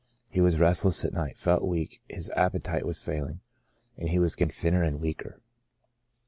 He was restless at night, felt weak, his appe tite was failing, and he was getting thinner and weaker.